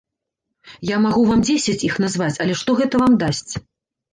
Я магу вам дзесяць іх назваць, але што гэта вам дасць?